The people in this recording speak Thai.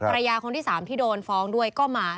ภรรยาคนที่๓ที่โดนฟ้องด้วยก็มา